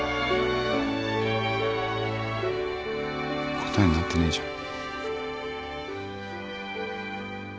答えになってねえじゃん。